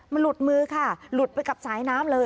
มันหลุดมือค่ะหลุดไปกับสายน้ำเลย